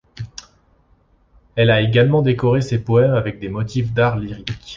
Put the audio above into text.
Elle a également décoré ses poèmes avec des motifs d'art lyrique.